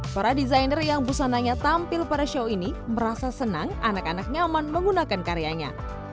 para desainer yang busananya tampil pada show ini merasa senang anak anak nyaman menggunakan karyanya